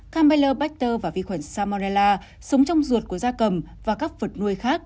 campylobacter và vi khuẩn salmonella sống trong ruột của da cầm và các vật nuôi khác